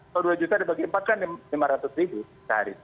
kalau dua juta dibagi empat kan lima ratus ribu sehari